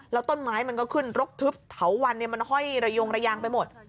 แล้วต้นไม้มันก็ขึ้นรกทึบเถาวันมันห้อยระยงระยางไปหมด